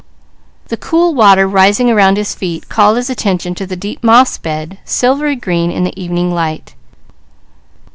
The cool water rising around his feet called his attention to the deep moss bed, silvery green in the evening light.